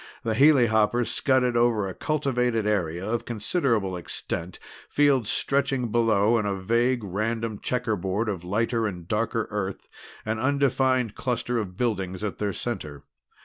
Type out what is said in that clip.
The helihopper scudded over a cultivated area of considerable extent, fields stretching below in a vague random checkerboard of lighter and darker earth, an undefined cluster of buildings at their center.